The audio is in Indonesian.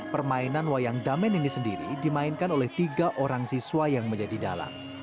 permainan wayang damen ini sendiri dimainkan oleh tiga orang siswa yang menjadi dalang